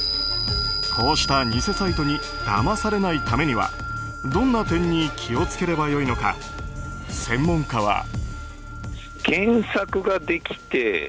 こうした偽サイトにだまされないためにはどんな点に気を付ければよいのか専門家は。